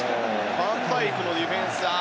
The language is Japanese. ファンダイクのディフェンス。